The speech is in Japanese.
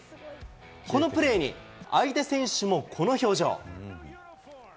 このプレーに、相手選手もこの表情。